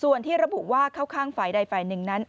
ส่วนที่ระบุว่าเข้าข้างฝ่ายใดฝ่ายหนึ่งนั้น